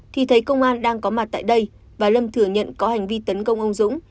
thì thấy công an đang có mặt tại đây và lâm thừa nhận có hành vi tấn công ông dũng